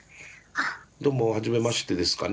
どうもはじめましてですかね？